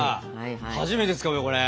初めて使うよこれ。